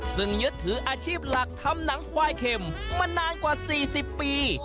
ซึ่งยึดถืออาชีพหลักทำหนังควายเข็มมานานกว่า๔๐ปี